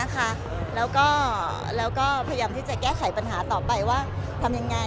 พยายามที่จะแก้ไขปัญหาต่อไปว่าทำอย่างไร